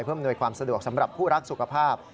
เพื่ออำนวยความสะดวกสำหรับผู้รักสุขภาพ